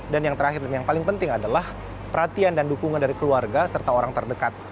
dan yang terakhir dan yang paling penting adalah perhatian dan dukungan dari keluarga serta orang terdekat